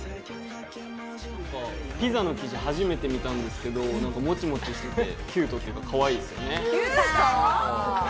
ピザの生地、初めて見たんですが、もちもちしててキュートというか、かわいいですよね。